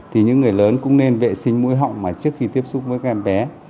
thì những người lớn cũng nên vệ sinh mũi họng mà trước khi tiếp xúc với các em bé